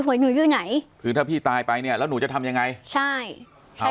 หวยหนูรื่นไหนคือถ้าพี่ตายไปเนี้ยแล้วหนูจะทำยังไงใช่ใช่ค่ะ